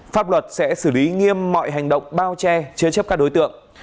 pháp luật sẽ xử lý nghiêm mọi hành động bao che chế chấp các đối tượng